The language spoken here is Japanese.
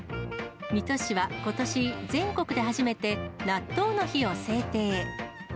水戸市はことし、全国で初めて納豆の日を制定。